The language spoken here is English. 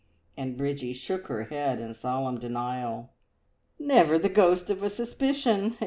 and Bridgie shook her head in solemn denial. "Never the ghost of a suspicion!